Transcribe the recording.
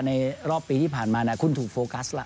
รอบปีที่ผ่านมาคุณถูกโฟกัสล่ะ